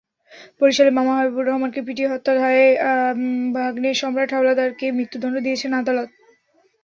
বরিশালে মামা হাবিবুর রহমানকে পিটিয়ে হত্যার হায়ে ভাগনে সম্রাট হাওলাদারকে মৃত্যুদণ্ড দিয়েছেন আদালত।